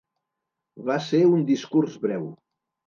Va ser un discurs breu.